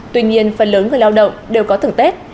tuy nhiên phần lớn người lao động đều có thưởng tết